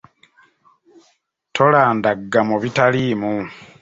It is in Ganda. Tolandagga mu bitaliimu.